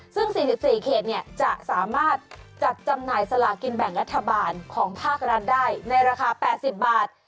ซึ่ง๔๔เขตจะสามารถจัดจำหน่ายสลากินแบ่งรัฐบาลของภาครัฐได้ในราคา๘๐บาท